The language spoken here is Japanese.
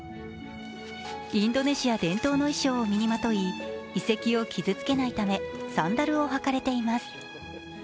インドネシア伝統の衣装を身にまとい、遺跡を傷つけないためサンダルを履かれています。